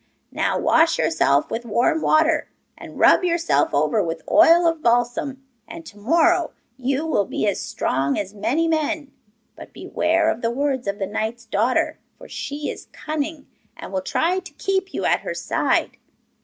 'Now wash yourself with warm water, and rub yourself over with oil of balsam, and to morrow you will be as strong as many men. But beware of the words of the knight's daughter, for she is cunning, and will try to keep you at her side.